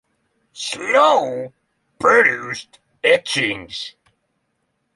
Slowe produced etchings.